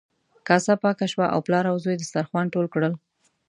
کاسه پاکه شوه او پلار او زوی دسترخوان ټول کړل.